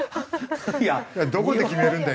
どこで決めるんだよ